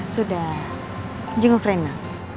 sudah jenguk reina